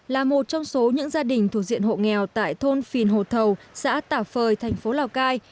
là một trong số những gia đình thuộc diện hộ nghèo tại thôn phìn hồ thầu xã tà phơi thành phố lào cai